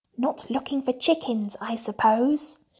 "Not looking for chickens, I suppose?"